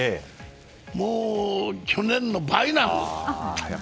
もう去年の倍なんです。